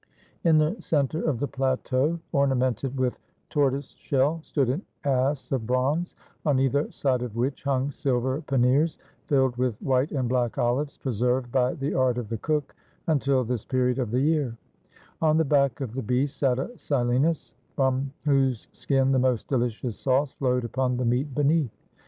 In the center of the plateau, ornamented with tor toise shell, stood an ass of bronze, on either side of which hung silver panniers, filled with white and black olives, preserved by the art of the cook until this period of the year; on the back of the beast sat a Silenus, from whose skin the most delicious sauce flowed upon the meat be neath.